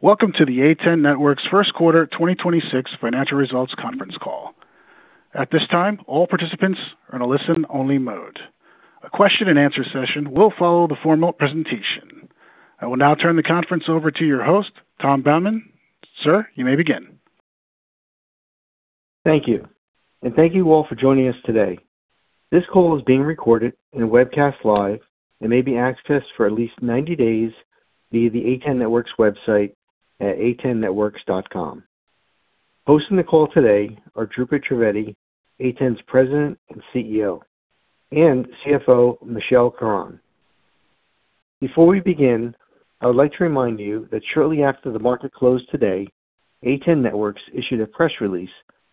Welcome to the A10 Networks first quarter 2026 financial results conference call. At this time, all participants are in a listen-only mode. A question and answer session will follow the formal presentation. I will now turn the conference over to your host, Tom Baumann. Sir, you may begin. Thank you, and thank you all for joining us today. This call is being recorded and webcast live and may be accessed for at least 90 days via the A10 Networks website at a10networks.com. Hosting the call today are Dhrupad Trivedi, A10's President and CEO and CFO Michelle Caron. Before we begin, I would like to remind you that shortly after the market closed today, A10 Networks issued a press release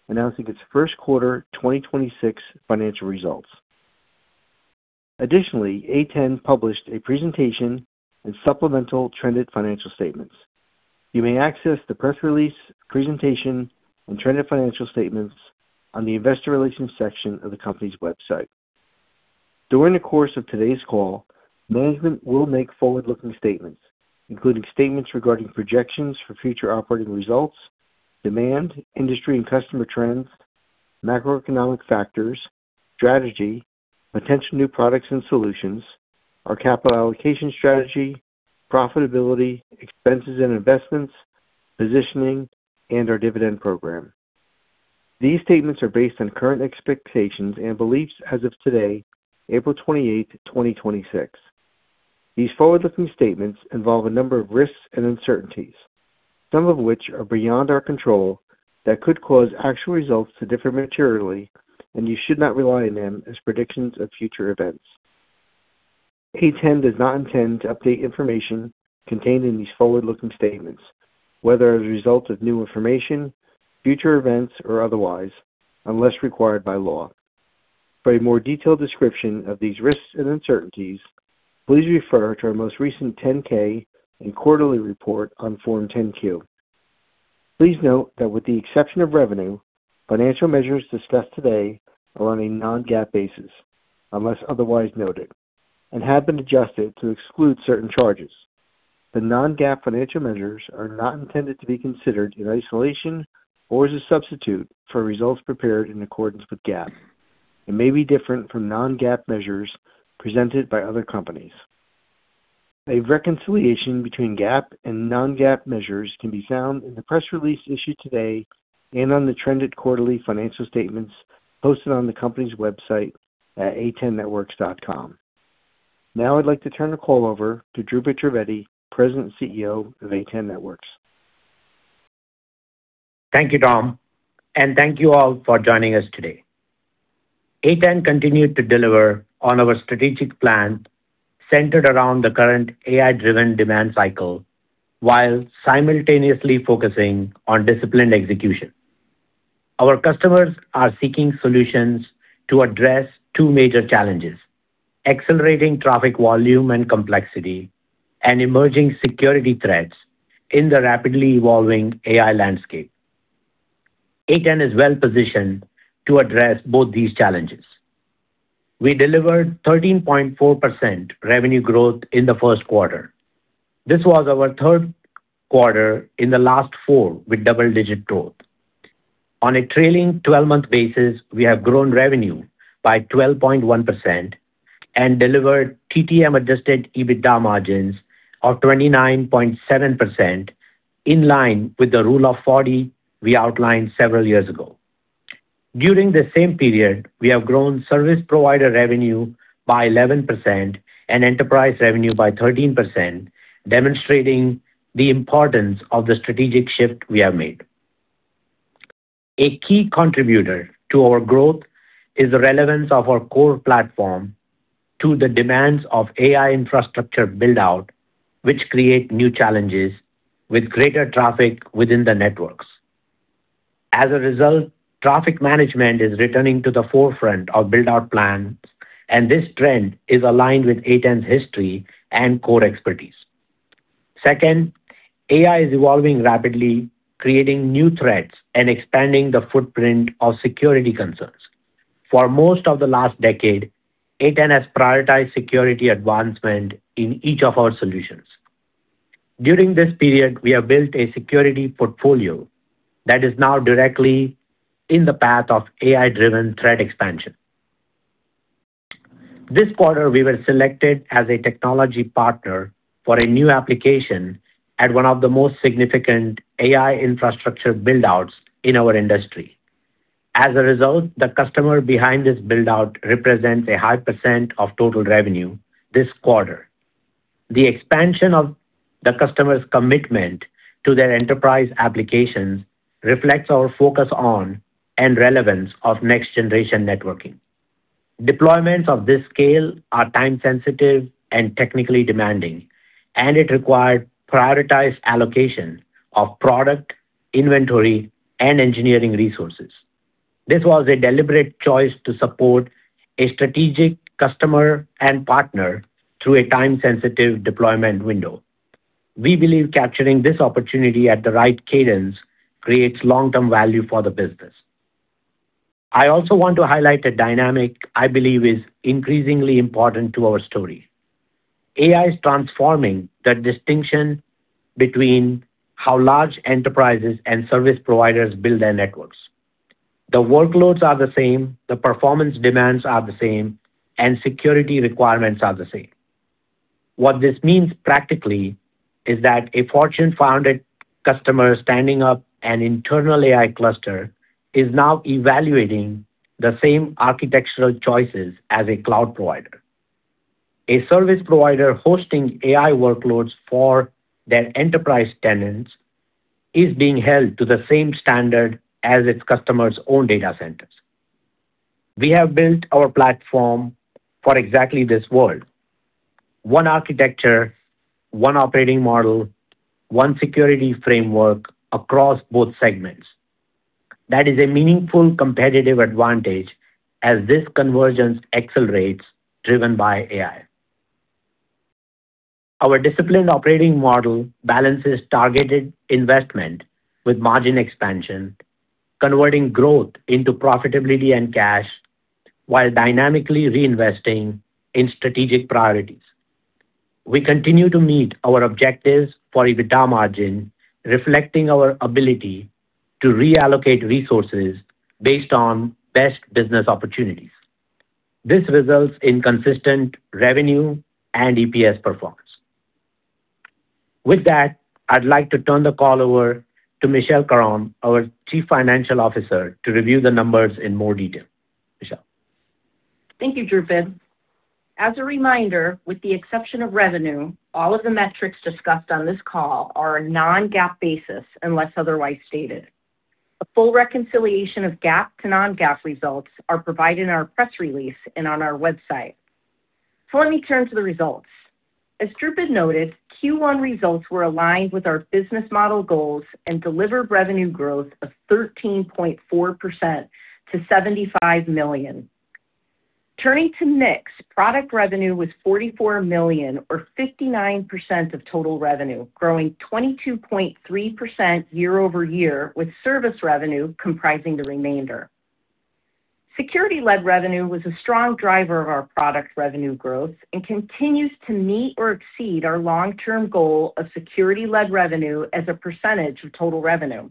announcing its first quarter 2026 financial results. Additionally, A10 published a presentation and supplemental trended financial statements. You may access the press release, presentation, and trended financial statements on the investor relations section of the company's website. During the course of today's call, management will make forward-looking statements, including statements regarding projections for future operating results, demand, industry and customer trends, macroeconomic factors, strategy, potential new products and solutions, our capital allocation strategy, profitability, expenses and investments, positioning, and our dividend program. These statements are based on current expectations and beliefs as of today, April 28, 2026. These forward-looking statements involve a number of risks and uncertainties, some of which are beyond our control, that could cause actual results to differ materially, and you should not rely on them as predictions of future events. A10 does not intend to update information contained in these forward-looking statements, whether as a result of new information, future events, or otherwise, unless required by law. For a more detailed description of these risks and uncertainties, please refer to our most recent 10-K and quarterly report on form 10-Q. Please note that with the exception of revenue, financial measures discussed today are on a non-GAAP basis, unless otherwise noted, and have been adjusted to exclude certain charges. The non-GAAP financial measures are not intended to be considered in isolation or as a substitute for results prepared in accordance with GAAP and may be different from non-GAAP measures presented by other companies. A reconciliation between GAAP and non-GAAP measures can be found in the press release issued today and on the trended quarterly financial statements posted on the company's website at a10networks.com. Now I'd like to turn the call over to Dhrupad, President and CEO of A10 Networks. Thank you, Tom, and thank you all for joining us today. A10 continued to deliver on our strategic plan centered around the current AI-driven demand cycle while simultaneously focusing on disciplined execution. Our customers are seeking solutions to address two major challenges: accelerating traffic volume and complexity and emerging security threats in the rapidly evolving AI landscape. A10 is well-positioned to address both these challenges. We delivered 13.4% revenue growth in the first quarter. This was our third quarter in the last four with double-digit growth. On a trailing twelve-month basis, we have grown revenue by 12.1% and delivered TTM Adjusted EBITDA margins of 29.7%, in line with the rule of 40 we outlined several years ago. During the same period, we have grown service provider revenue by 11% and enterprise revenue by 13%, demonstrating the importance of the strategic shift we have made. A key contributor to our growth is the relevance of our core platform to the demands of AI infrastructure build-out, which create new challenges with greater traffic within the networks. As a result, traffic management is returning to the forefront of build-out plans, and this trend is aligned with A10's history and core expertise. Second, AI is evolving rapidly, creating new threats and expanding the footprint of security concerns. For most of the last decade, A10 has prioritized security advancement in each of our solutions. During this period, we have built a security portfolio that is now directly in the path of AI-driven threat expansion. This quarter, we were selected as a technology partner for a new application at one of the most significant AI infrastructure build-outs in our industry. As a result, the customer behind this build-out represents a high percent of total revenue this quarter. The expansion of the customer's commitment to their enterprise applications reflects our focus on and relevance of next-generation networking. Deployments of this scale are time-sensitive and technically demanding, and it required prioritized allocation of product, inventory, and engineering resources. This was a deliberate choice to support a strategic customer and partner through a time-sensitive deployment window. We believe capturing this opportunity at the right cadence creates long-term value for the business. I also want to highlight a dynamic I believe is increasingly important to our story. AI is transforming the distinction between how large enterprises and service providers build their networks. The workloads are the same, the performance demands are the same, and security requirements are the same. What this means practically is that a Fortune founded customer standing up an internal AI cluster is now evaluating the same architectural choices as a cloud provider. A service provider hosting AI workloads for their enterprise tenants is being held to the same standard as its customers' own data centers. We have built our platform for exactly this world. One architecture, one operating model, one security framework across both segments. That is a meaningful competitive advantage as this convergence accelerates driven by AI. Our disciplined operating model balances targeted investment with margin expansion, converting growth into profitability and cash, while dynamically reinvesting in strategic priorities. We continue to meet our objectives for EBITDA margin, reflecting our ability to reallocate resources based on best business opportunities. This results in consistent revenue and EPS performance. With that, I'd like to turn the call over to Michelle Caron, our Chief Financial Officer, to review the numbers in more detail. Michelle. Thank you, Dhrupad. As a reminder, with the exception of revenue, all of the metrics discussed on this call are a non-GAAP basis unless otherwise stated. A full reconciliation of GAAP to non-GAAP results are provided in our press release and on our website. Let me turn to the results. As Dhrupad noted, Q1 results were aligned with our business model goals and delivered revenue growth of 13.4% to $75 million. Turning to mix, product revenue was $44 million or 59% of total revenue, growing 22.3% year-over-year, with service revenue comprising the remainder. Security-led revenue was a strong driver of our product revenue growth and continues to meet or exceed our long-term goal of security-led revenue as a percentage of total revenue.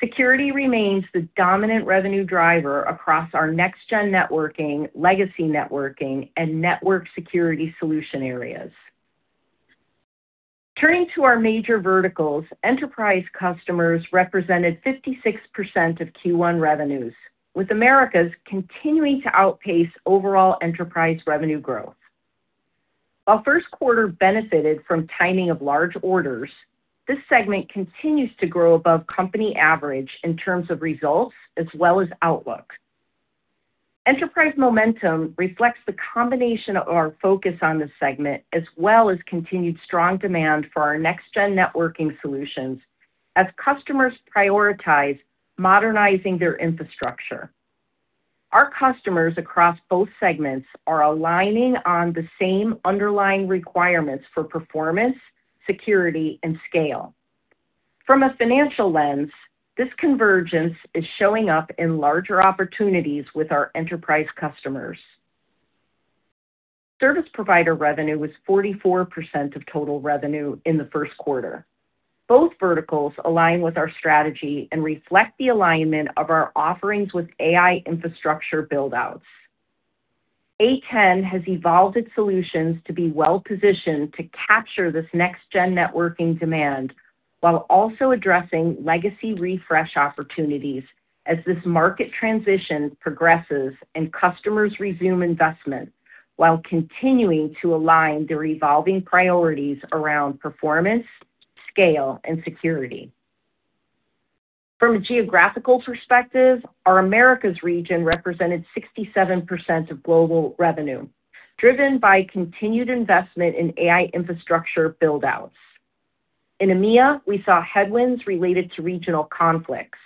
Security remains the dominant revenue driver across our NextGen Networking legacy networking, and network security solution areas. Turning to our major verticals, enterprise customers represented 56% of Q1 revenues, with Americas continuing to outpace overall enterprise revenue growth. While first quarter benefited from timing of large orders, this segment continues to grow above company average in terms of results as well as outlooks. Enterprise momentum reflects the combination of our focus on this segment, as well as continued strong demand for our NextGen Networking solutions as customers prioritize modernizing their infrastructure. Our customers across both segments are aligning on the same underlying requirements for performance, security, and scale. From a financial lens, this convergence is showing up in larger opportunities with our enterprise customers. Service provider revenue was 44% of total revenue in the first quarter. Both verticals align with our strategy and reflect the alignment of our offerings with AI infrastructure build-outs. A10 has evolved its solutions to be well-positioned to capture this NextGen Networking demand while also addressing legacy refresh opportunities as this market transition progresses and customers resume investment while continuing to align their evolving priorities around performance, scale, and security. From a geographical perspective, our Americas region represented 67% of global revenue, driven by continued investment in AI infrastructure build-outs. In EMEA, we saw headwinds related to regional conflicts.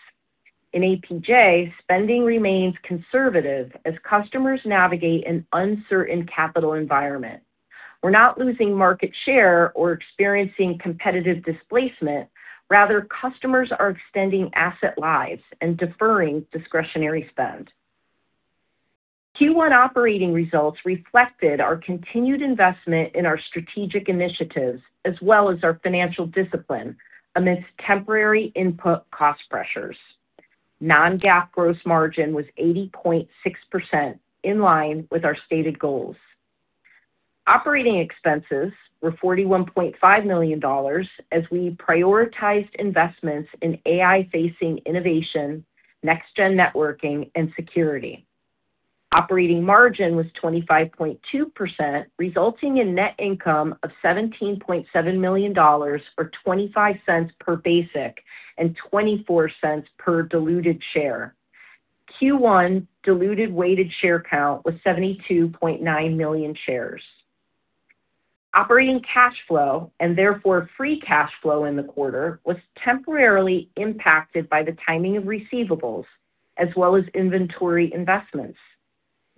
In APJ, spending remains conservative as customers navigate an uncertain capital environment. We're not losing market share or experiencing competitive displacement, rather, customers are extending asset lives and deferring discretionary spend. Q1 operating results reflected our continued investment in our strategic initiatives as well as our financial discipline amidst temporary input cost pressures. non-GAAP gross margin was 80.6%, in line with our stated goals. Operating expenses were $41.5 million as we prioritized investments in AI-facing innovation, NextGen Networking, and security. Operating margin was 25.2%, resulting in net income of $17.7 million or $0.25 per basic and $0.24 per diluted share. Q1 diluted weighted share count was 72.9 million shares. Operating cash flow, and therefore free cash flow in the quarter, was temporarily impacted by the timing of receivables as well as inventory investments.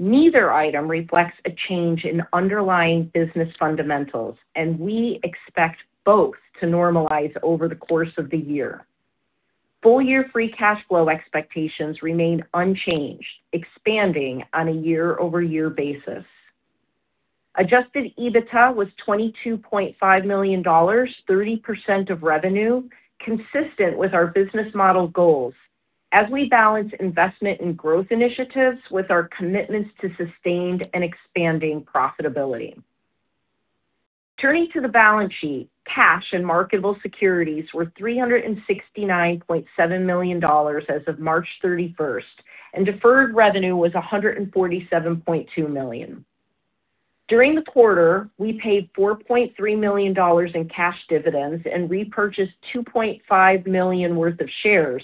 Neither item reflects a change in underlying business fundamentals. We expect both to normalize over the course of the year. Full year free cash flow expectations remain unchanged, expanding on a year-over-year basis. Adjusted EBITDA was $22.5 million, 30% of revenue, consistent with our business model goals as we balance investment and growth initiatives with our commitments to sustained and expanding profitability. Turning to the balance sheet, cash and marketable securities were $369.7 million as of March 31st, and deferred revenue was $147.2 million. During the quarter, we paid $4.3 million in cash dividends and repurchased $2.5 million worth of shares,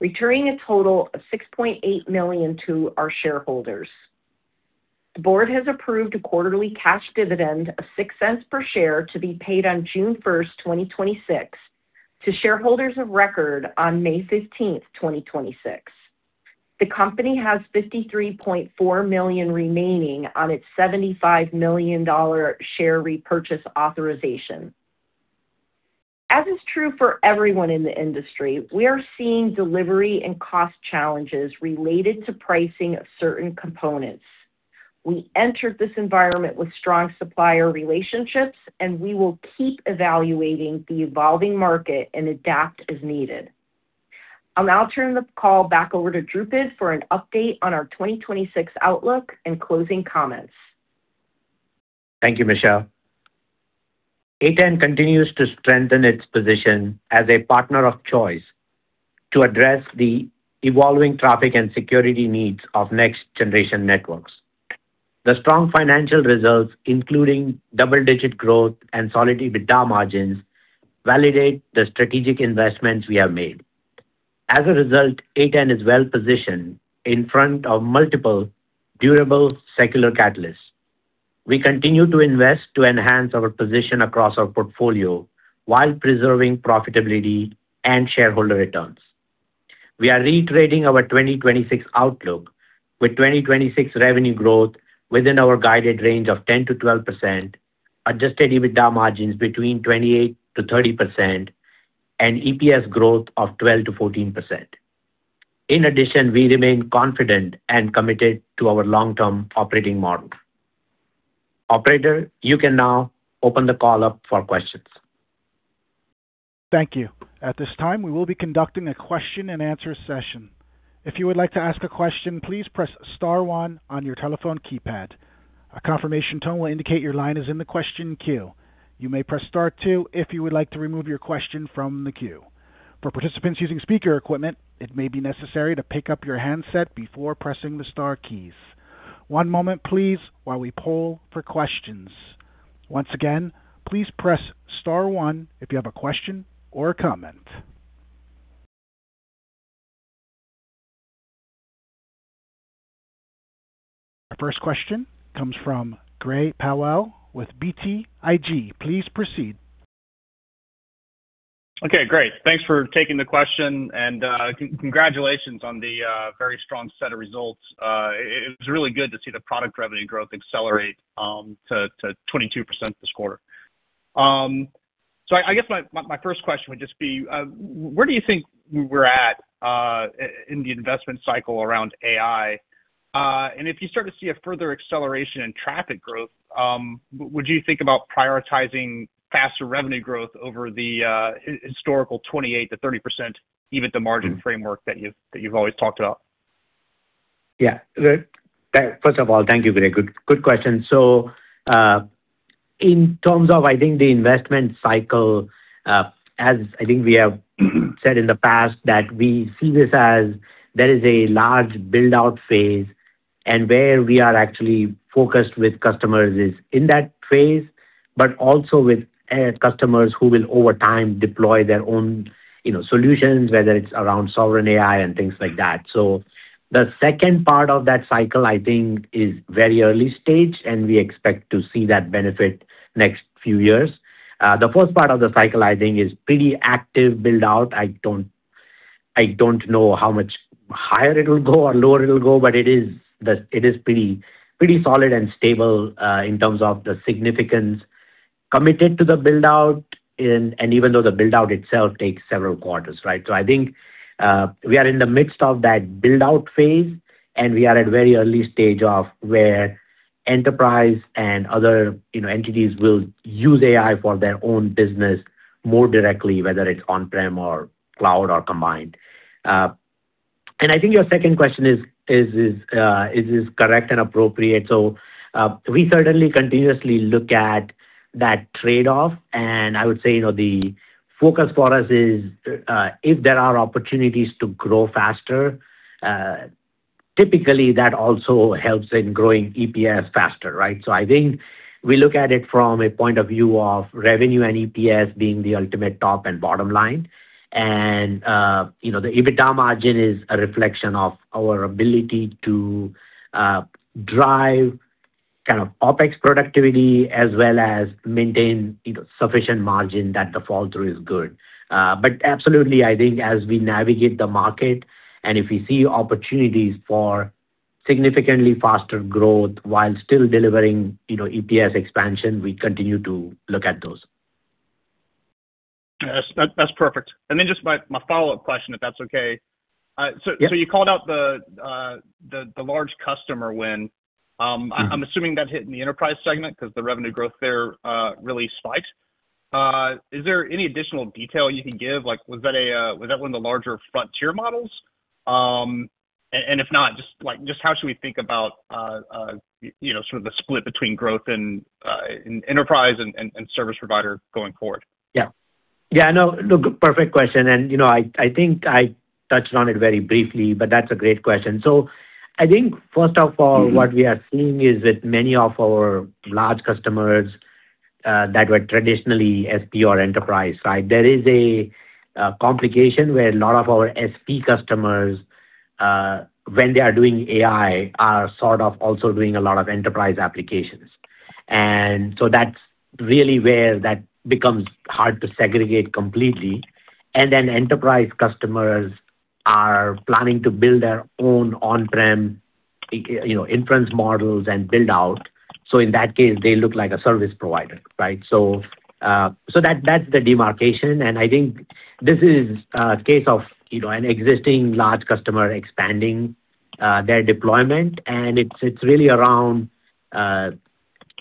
returning a total of $6.8 million to our shareholders. The board has approved a quarterly cash dividend of $0.06 per share to be paid on June 1st, 2026, to shareholders of record on May 15th, 2026. The company has $53.4 million remaining on its $75 million share repurchase authorization. As is true for everyone in the industry, we are seeing delivery and cost challenges related to pricing of certain components. We entered this environment with strong supplier relationships, and we will keep evaluating the evolving market and adapt as needed. I'll now turn the call back over to Dhrupad for an update on our 2026 outlook and closing comments. Thank you, Michelle. A10 continues to strengthen its position as a partner of choice to address the evolving traffic and security needs of next-generation networks. The strong financial results, including double-digit growth and solid EBITDA margins, validate the strategic investments we have made. As a result, A10 is well-positioned in front of multiple durable secular catalysts. We continue to invest to enhance our position across our portfolio while preserving profitability and shareholder returns. We are reiterating our 2026 outlook with 2026 revenue growth within our guided range of 10%-12%, Adjusted EBITDA margins between 28%-30%, and EPS growth of 12%-14%. In addition, we remain confident and committed to our long-term operating model. Operator, you can now open the call up for questions. Thank you. At this time, we will be conducting a question and answer session. If you would like to ask a question, please press star one on your telephone keypad. A confirmation tone will indicate your line is in the question queue. You may press star two if you would like to remove your question from the queue. For participants using speaker equipment, it may be necessary to pick up your handset before pressing the star keys. One moment, please, while we poll for questions. Once again, please press star one if you have a question or a comment. Our first question comes from Gray Powell with BTIG. Please proceed. Okay, great. Thanks for taking the question, and congratulations on the very strong set of results. It was really good to see the product revenue growth accelerate to 22% this quarter. I guess my first question would just be, where do you think we're at in the investment cycle around AI? If you start to see a further acceleration in traffic growth, would you think about prioritizing faster revenue growth over the historical 28%-30%, even the margin framework that you've always talked about? First of all, thank you. Very good question. In terms of, I think, the investment cycle, as I think we have said in the past that we see this as there is a large build-out phase and where we are actually focused with customers is in that phase, but also with customers who will over time deploy their own, you know, solutions, whether it's around sovereign AI and things like that. The second part of that cycle, I think, is very early stage, and we expect to see that benefit next few years. The first part of the cycle, I think, is pretty active build-out. I don't, I don't know how much higher it'll go or lower it'll go, but it is pretty solid and stable in terms of the significance committed to the build-out, and even though the build-out itself takes several quarters, right? I think, we are in the midst of that build-out phase, and we are at very early stage of where enterprise and other, you know, entities will use AI for their own business more directly, whether it's on-prem or cloud or combined. I think your second question is correct and appropriate. We certainly continuously look at that trade-off, and I would say, you know, the focus for us is, if there are opportunities to grow faster, typically, that also helps in growing EPS faster, right? I think we look at it from a point of view of revenue and EPS being the ultimate top and bottom line. You know, the EBITDA margin is a reflection of our ability to drive kind of OpEx productivity as well as maintain sufficient margin that the fall through is good. Absolutely, I think as we navigate the market and if we see opportunities for significantly faster growth while still delivering, you know, EPS expansion, we continue to look at those. Yes. That's perfect. Just my follow-up question, if that's okay. Yes. You called out the large customer win. I'm assuming that hit in the enterprise segment 'cause the revenue growth there really spiked. Is there any additional detail you can give? Like, was that one of the larger front tier models? If not, like, just how should we think about, you know, sort of the split between growth and enterprise and service provider going forward? Yeah. Yeah, no. Look, perfect question. You know, I think I touched on it very briefly, but that's a great question. I think first of all, what we are seeing is that many of our large customers that were traditionally SP or enterprise, right? There is a complication where a lot of our SP customers when they are doing AI, are sort of also doing a lot of enterprise applications. That's really where that becomes hard to segregate completely. Enterprise customers are planning to build their own on-prem, you know, inference models and build out. In that case, they look like a service provider, right? That's the demarcation. I think this is a case of, you know, an existing large customer expanding their deployment. It's really around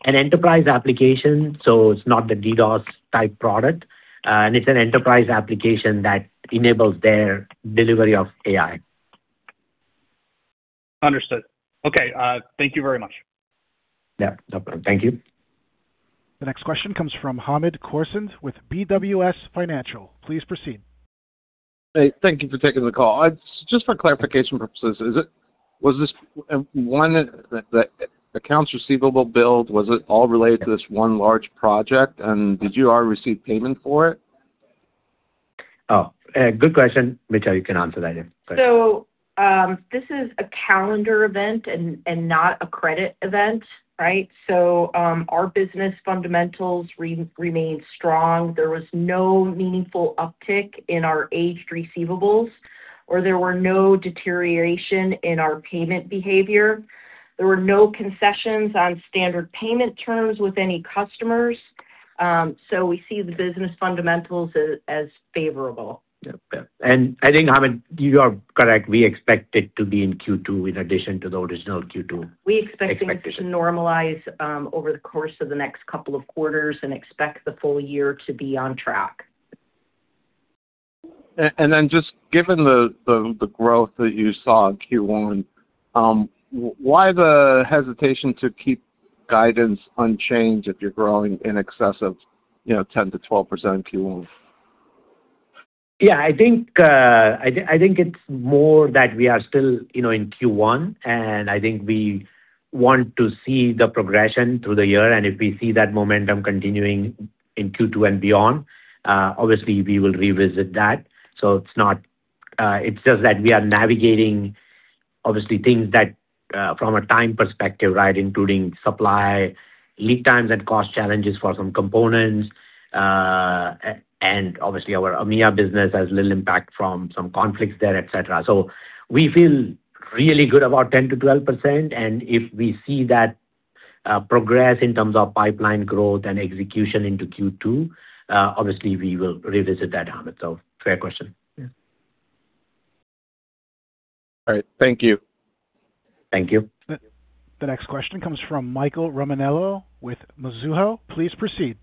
an enterprise application, so it's not the DDoS type product. It's an enterprise application that enables their delivery of AI. Understood. Okay. Thank you very much. Yeah. No problem. Thank you. The next question comes from Hamed Khorsand with BWS Financial. Please proceed. Hey, thank you for taking the call. Just for clarification purposes, was this one accounts receivable build, was it all related to this one large project, and did you all receive payment for it? Oh, good question. Michelle, you can answer that if- This is a calendar event and not a credit event, right? Our business fundamentals remain strong. There was no meaningful uptick in our aged receivables, or there were no deterioration in our payment behavior. There were no concessions on standard payment terms with any customers. We see the business fundamentals as favorable. Yeah. I think, Hamed, you are correct. We expect it to be in Q2 in addition to the original Q2 expectation. We expect things to normalize, over the course of the next couple of quarters and expect the full year to be on track. Just given the growth that you saw in Q1, why the hesitation to keep guidance unchanged if you're growing in excess of, you know, 10%-12% in Q1? Yeah. I think it's more that we are still, you know, in Q1. I think we want to see the progression through the year. If we see that momentum continuing in Q2 and beyond, obviously we will revisit that. It's not, it's just that we are navigating obviously things that, from a time perspective, right, including supply lead times and cost challenges for some components. Obviously our EMEA business has little impact from some conflicts there, et cetera. We feel really good about 10%-12%. And if we see that progress in terms of pipeline growth and execution into Q2, obviously we will revisit that, Hamed. Fair question. Yeah. All right. Thank you. Thank you. The next question comes from Michael Romanelli with Mizuho. Please proceed.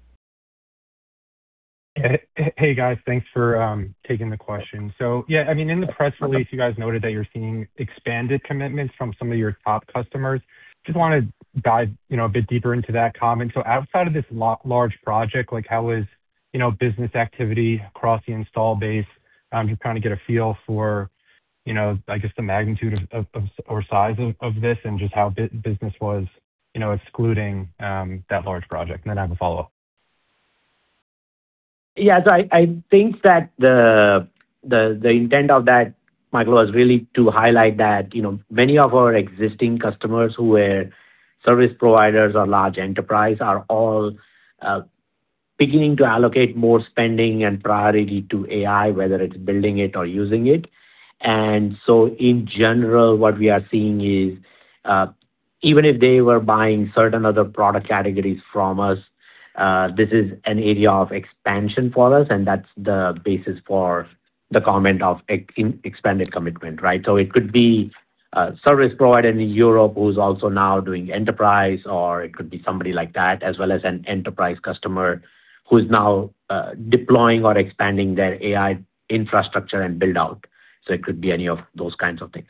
Hey, guys. Thanks for taking the question. Yeah, I mean, in the press release, you guys noted that you're seeing expanded commitments from some of your top customers. Just wanna dive, you know, a bit deeper into that comment. Outside of this large project, like how is, you know, business activity across the install base to kind of get a feel for, you know, I guess the magnitude of, or size of this and just how business was, you know, excluding that large project. I have a follow-up. Yeah. I think that the intent of that, Michael, was really to highlight that, you know, many of our existing customers who were service providers or large enterprise are all beginning to allocate more spending and priority to AI, whether it's building it or using it. In general, what we are seeing is, even if they were buying certain other product categories from us, this is an area of expansion for us, and that's the basis for the comment of expanded commitment, right? It could be a service provider in Europe who's also now doing enterprise, or it could be somebody like that, as well as an enterprise customer who is now deploying or expanding their AI infrastructure and build out. It could be any of those kinds of things.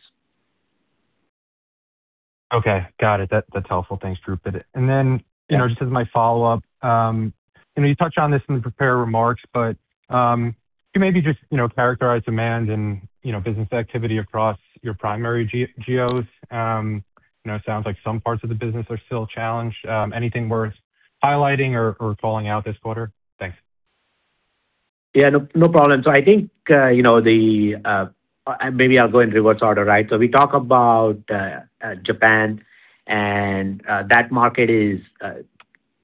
Okay. Got it. That's helpful. Thanks, Dhrupad. Then, you know, just as my follow-up, you know, you touched on this in the prepared remarks, but, can you maybe just, you know, characterize demand and, you know, business activity across your primary GEOS? You know, it sounds like some parts of the business are still challenged. Anything worth highlighting or calling out this quarter? Thanks. Yeah. No, no problem. I think, you know, maybe I'll go in reverse order, right? We talk about Japan, and that market is,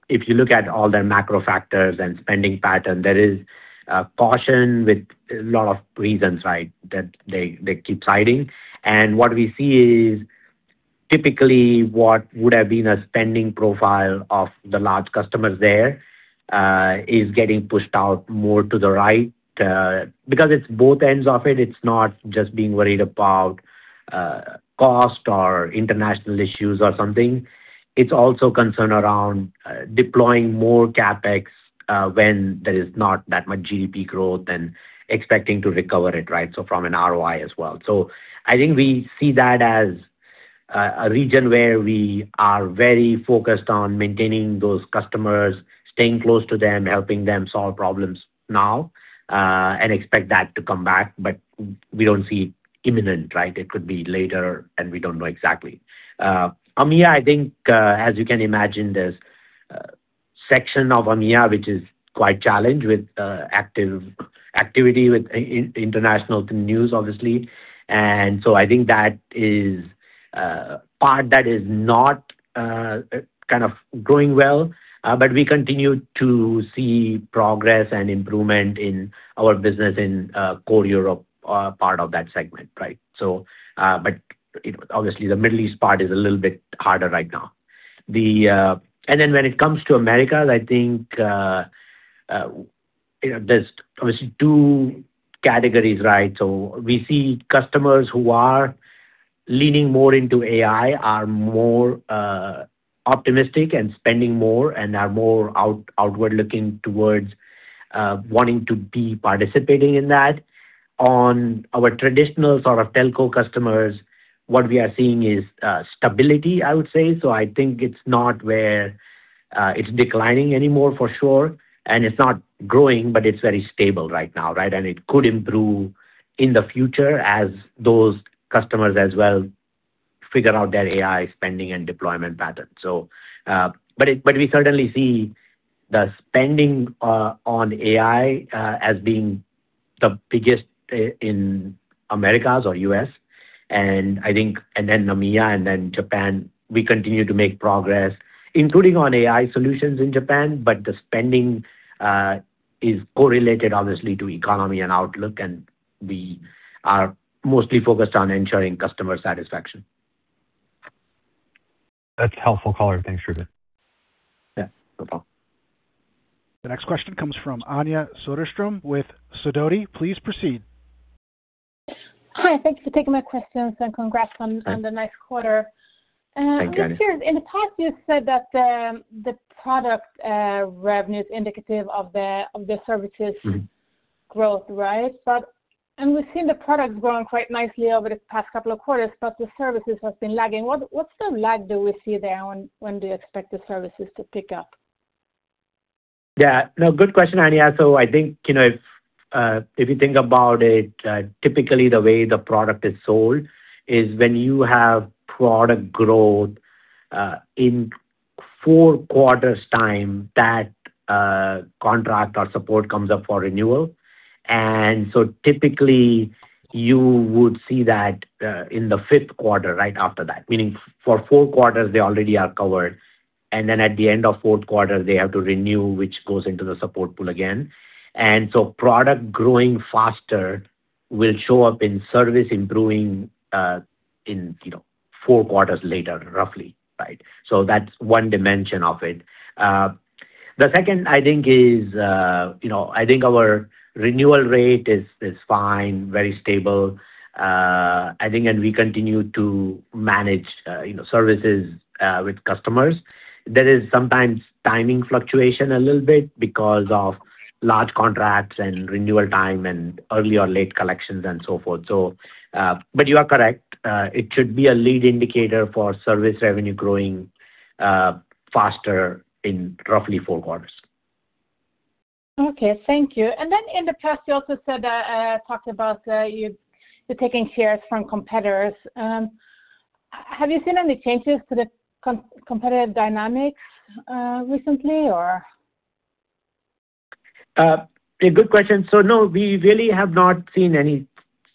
if you look at all their macro factors and spending pattern, there is a portion with a lot of reasons, right? That they keep citing. What we see is typically what would have been a spending profile of the large customers there, is getting pushed out more to the right, because it's both ends of it. It's not just being worried about cost or international issues or something. It's also concern around deploying more CapEx when there is not that much GDP growth and expecting to recover it, right? From an ROI as well. I think we see that as a region where we are very focused on maintaining those customers, staying close to them, helping them solve problems now, and expect that to come back. We don't see imminent, right? It could be later, and we don't know exactly. EMEA, I think, as you can imagine, there's a section of EMEA which is quite challenged with active activity with in-international news, obviously. I think that is a part that is not kind of growing well. We continue to see progress and improvement in our business in core Europe, part of that segment, right? You know, obviously the Middle East part is a little bit harder right now. When it comes to Americas, I think, you know, there's obviously two categories, right? We see customers who are leaning more into AI are more optimistic and spending more and are more outward looking towards wanting to be participating in that. On our traditional sort of telco customers, what we are seeing is stability, I would say. I think it's not where it's declining anymore for sure, and it's not growing, but it's very stable right now, right? It could improve in the future as those customers as well figure out their AI spending and deployment pattern. But we certainly see the spending on AI as being the biggest in Americas or U.S. EMEA and Japan, we continue to make progress, including on AI solutions in Japan. The spending is correlated obviously to economy and outlook, and we are mostly focused on ensuring customer satisfaction. That's helpful, color. Thanks, Dhrupad. Yeah. No problem. The next question comes from Anja Soderstrom with Sidoti. Please proceed. Hi. Thank you for taking my questions, and congrats on- Hi. On the nice quarter. Thanks, Anja. I'm just curious. In the past, you said that the product revenue is indicative of the services. Mm-hmm. -growth, right? We've seen the products growing quite nicely over the past couple of quarters, but the services has been lagging. What's the lag that we see there, and when do you expect the services to pick up? Yeah. No, good question, Anja. I think, you know, if you think about it, typically the way the product is sold is when you have product growth in four quarters time, that contract or support comes up for renewal. Typically you would see that in the 5th quarter right after that. Meaning for four quarters they already are covered, and then at the end of 4th quarter, they have to renew, which goes into the support pool again. Product growing faster will show up in service improving, in, you know, four quarters later, roughly, right? That's one dimension of it. The second, I think, is, you know, I think our renewal rate is fine, very stable. We continue to manage, you know, services with customers. There is sometimes timing fluctuation a little bit because of large contracts and renewal time and early or late collections and so forth. But you are correct. It should be a lead indicator for service revenue growing faster in roughly four quarters. Okay. Thank you. In the past, you also said that talked about you're taking shares from competitors. Have you seen any changes to the competitive dynamics recently, or? A good question. No, we really have not seen any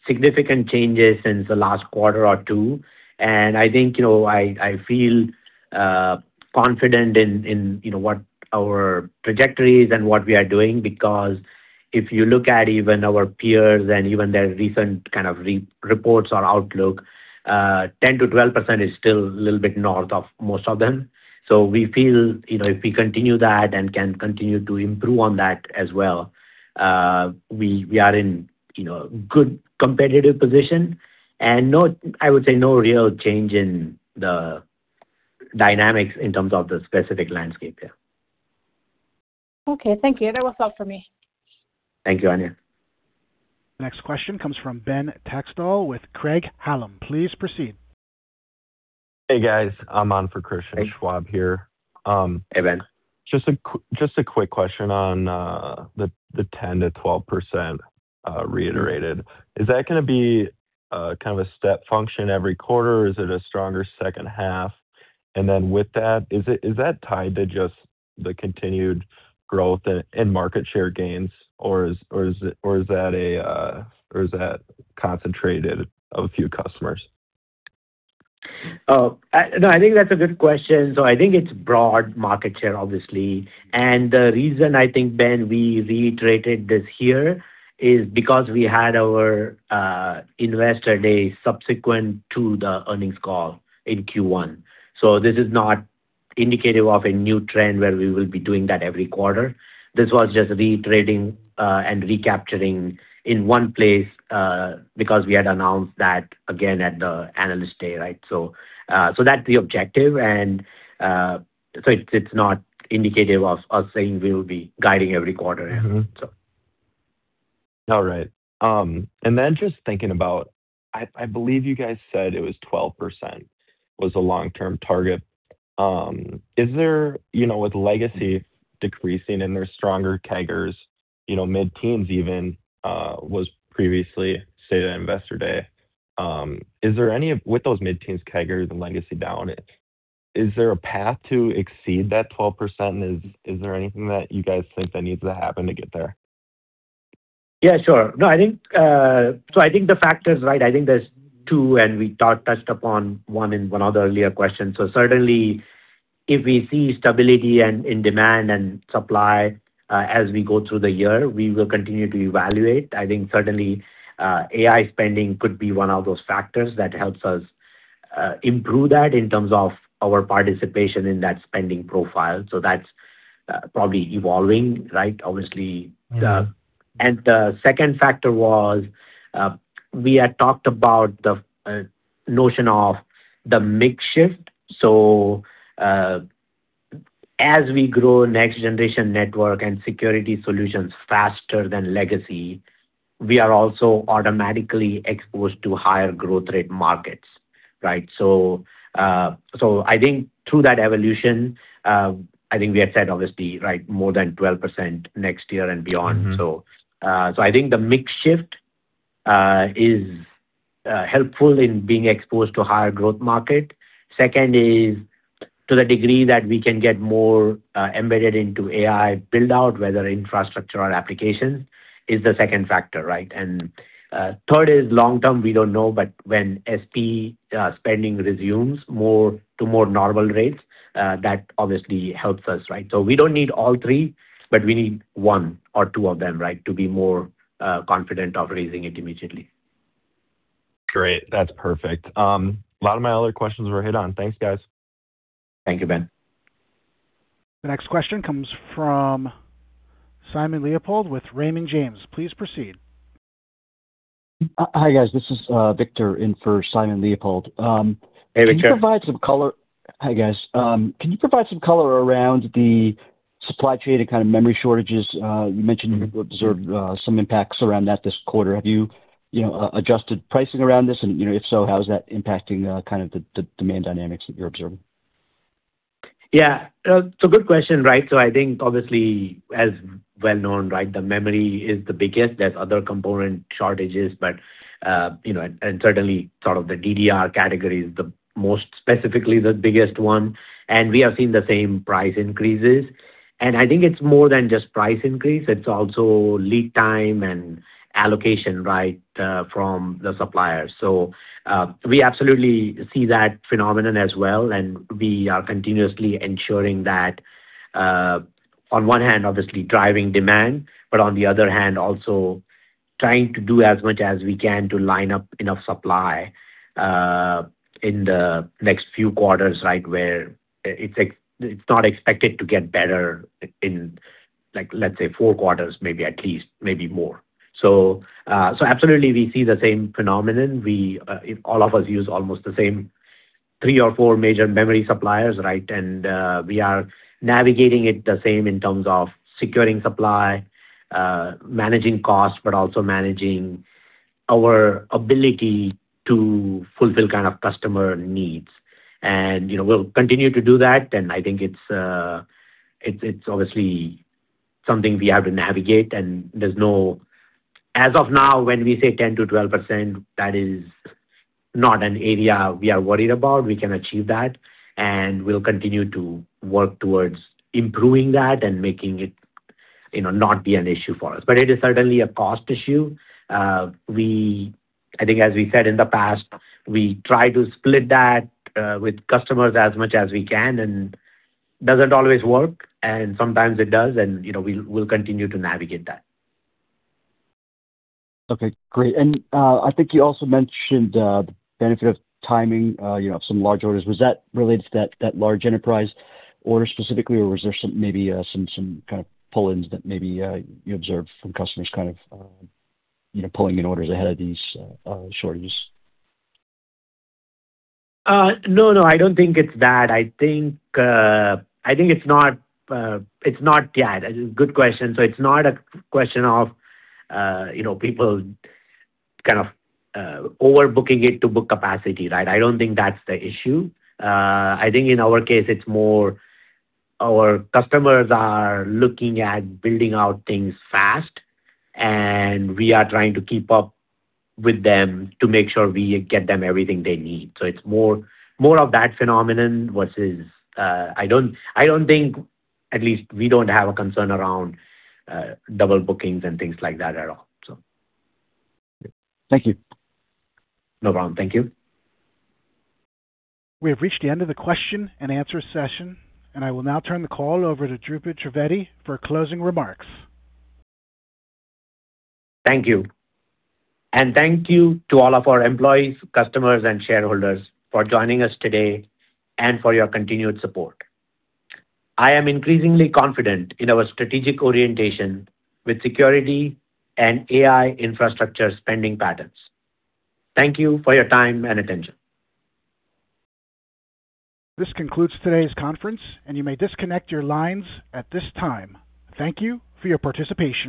significant changes since the last quarter or two. I think, you know, I feel confident in, you know, what our trajectory is and what we are doing. Because if you look at even our peers and even their recent kind of re-reports or outlook, 10%-12% is still a little bit north of most of them. We feel, you know, if we continue that and can continue to improve on that as well, we are in, you know, good competitive position. I would say no real change in the dynamics in terms of the specific landscape here. Okay. Thank you. That was all for me. Thank you, Anja. Next question comes from Ben Taxdahl with Craig-Hallum. Please proceed. Hey, guys. I'm on for Christian Schwab here. Hey, Ben. Just a quick question on the 10%-12% reiterated. Is that gonna be kind of a step function every quarter, or is it a stronger second half? With that, is that tied to just the continued growth and market share gains, or is that concentrated of a few customers? No, I think that's a good question. I think it's broad market share, obviously. The reason I think, Ben, we reiterated this here is because we had our Investor Day subsequent to the earnings call in Q1. This is not indicative of a new trend where we will be doing that every quarter. This was just reiterating and recapturing in one place because we had announced that again at the Analyst Day, right? That's the objective, and it's not indicative of us saying we'll be guiding every quarter. Mm-hmm. So. All right. Then just thinking about, I believe you guys said it was 12% was the long-term target. Is there, you know, with legacy decreasing and there's stronger CAGRs, you know, mid-teens even, was previously stated at Investor Day. With those mid-teens CAGRs and legacy down, is there a path to exceed that 12%? Is there anything that you guys think that needs to happen to get there? Yeah, sure. No, I think the factors, right, I think there's two, and we touched upon one in one of the earlier questions. Certainly if we see stability and, in demand and supply, as we go through the year, we will continue to evaluate. I think certainly, AI spending could be one of those factors that helps us improve that in terms of our participation in that spending profile. That's probably evolving, right? Mm-hmm. The second factor was, we had talked about the notion of the mix shift. As we grow next generation network and security solutions faster than legacy, we are also automatically exposed to higher growth rate markets, right? I think through that evolution, I think we had said obviously, right, more than 12% next year and beyond. Mm-hmm. I think the mix shift is helpful in being exposed to higher growth market. Second is to the degree that we can get more embedded into AI build-out, whether infrastructure or applications, is the second factor, right? Third is long-term, we don't know, but when SP spending resumes more to more normal rates, that obviously helps us, right? We don't need all three, but we need one or two of them, right, to be more confident of raising it immediately. Great. That's perfect. A lot of my other questions were hit on. Thanks, guys. Thank you, Ben. The next question comes from Simon Leopold with Raymond James. Please proceed. Hi guys, this is Victor in for Simon Leopold. Hey, Victor. Hi, guys. Can you provide some color around the supply chain and kind of memory shortages? Mm-hmm. You observed some impacts around that this quarter. Have you know, adjusted pricing around this? You know, if so, how is that impacting, kind of the demand dynamics that you're observing? Yeah. It's a good question, right? I think obviously as well known, right, the memory is the biggest. There's other component shortages, but, you know, certainly sort of the DDR category is the most specifically the biggest one, and we have seen the same price increases. I think it's more than just price increase, it's also lead time and allocation, right, from the suppliers. We absolutely see that phenomenon as well, and we are continuously ensuring that, on one hand, obviously driving demand, but on the other hand, also trying to do as much as we can to line up enough supply, in the next few quarters, right, where it's not expected to get better in like, let's say four quarters, maybe at least, maybe more. Absolutely we see the same phenomenon. We, all of us use almost the same three or four major memory suppliers, right? We are navigating it the same in terms of securing supply, managing costs, but also managing our ability to fulfill kind of customer needs. You know, we'll continue to do that, and I think it's obviously something we have to navigate. As of now, when we say 10%-12%, that is not an area we are worried about. We can achieve that, and we'll continue to work towards improving that and making it, you know, not be an issue for us. It is certainly a cost issue. I think as we said in the past, we try to split that with customers as much as we can. It doesn't always work. Sometimes it does. You know, we'll continue to navigate that. Okay, great. I think you also mentioned, the benefit of timing, you know, some large orders. Was that related to that large enterprise order specifically, or was there some maybe, some kind of pull-ins that maybe, you observed from customers kind of, you know, pulling in orders ahead of these, shortages? No, no, I don't think it's that. I think, I think it's not. Yeah, good question. It's not a question of, you know, people kind of overbooking it to book capacity, right? I don't think that's the issue. I think in our case it's more our customers are looking at building out things fast, and we are trying to keep up with them to make sure we get them everything they need. It's more of that phenomenon versus. I don't think, at least we don't have a concern around double bookings and things like that at all. Thank you. No problem. Thank you. We have reached the end of the question and answer session. I will now turn the call over to Trivedi for closing remarks. Thank you. Thank you to all of our employees, customers, and shareholders for joining us today and for your continued support. I am increasingly confident in our strategic orientation with security and AI infrastructure spending Dhrupad. Thank you for your time and attention. This concludes today's conference, and you may disconnect your lines at this time. Thank you for your participation.